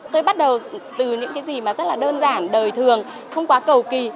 tôi bắt đầu từ những gì rất đơn giản đời thường không quá cầu kỳ